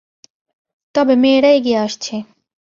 তবে মেয়েরা এগিয়ে আসছে।